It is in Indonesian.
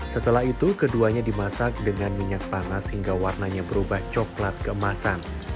setelah itu keduanya dimasak dengan minyak panas hingga warnanya berubah coklat keemasan